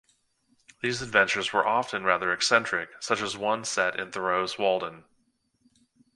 These adventures were often rather eccentric, such as one set in Thoreau's Walden.